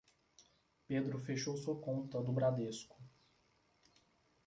Pedro fechou sua conta do Bradesco.